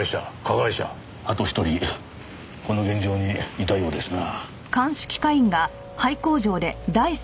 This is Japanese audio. あと一人この現場にいたようですな。